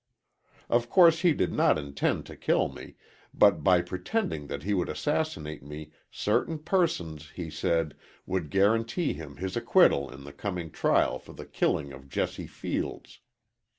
"Of course he did not intend to kill me, but by pretending that he would assassinate me certain persons, he said, would guarantee him his acquittal in the coming trial for the killing of Jesse Fields.